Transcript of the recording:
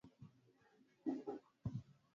Kifo kwa ugonjwa wa mapafu kinaweza kutokea ghafla